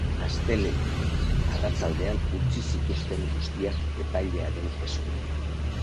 Astelehen arratsaldean utzi zituzten guztiak epailearen esku.